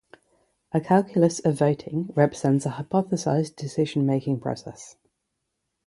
A calculus of voting represents an hypothesized decision-making process.